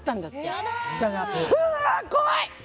うわあ、怖い。